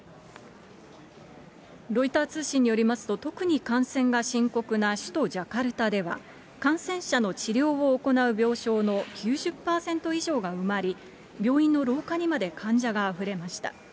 ロイター通信によりますと、特に感染が深刻な首都ジャカルタでは、感染者の治療を行う病床の９０％以上が埋まり、病院の廊下にまで患者があふれました。